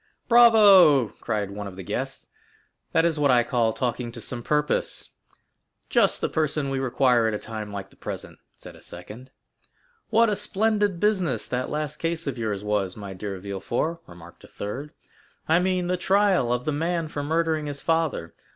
"Bravo!" cried one of the guests; "that is what I call talking to some purpose." "Just the person we require at a time like the present," said a second. "What a splendid business that last case of yours was, my dear Villefort!" remarked a third; "I mean the trial of the man for murdering his father.